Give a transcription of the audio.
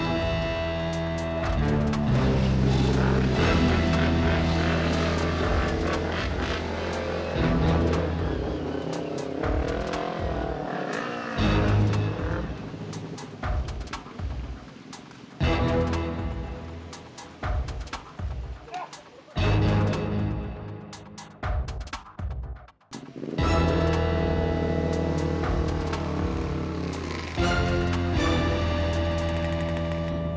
sampai jumpa lagi